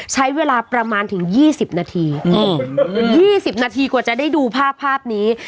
ใช้เวลาประมาณถึงยี่สิบนาทีอืมยี่สิบนาทีกว่าจะได้ดูภาพภาพนี้